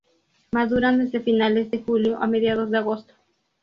Maduran desde finales de julio a mediados de agosto.